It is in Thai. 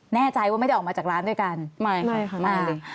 แน่ใจว่าไม่ได้ออกมาจากร้านด้วยกันไม่ค่ะไม่ออกมาด้วย